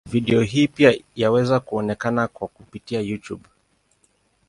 Video hii pia yaweza kuonekana kwa kupitia Youtube.